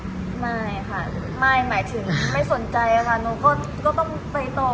ไม่หมายถึงไม่สนใจอะค่ะ